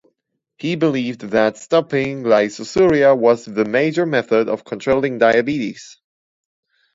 He believed that stopping glycosuria was the major method of controlling diabetes.